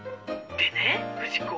でね藤子。